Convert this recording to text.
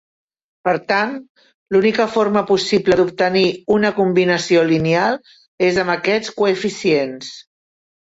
Per tant, l'única forma possible d'obtenir una combinació lineal és amb aquests coeficients.